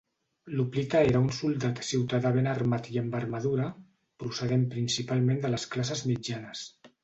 L'hoplita era un soldat ciutadà ben armat i amb armadura, procedent principalment de les classes mitjanes.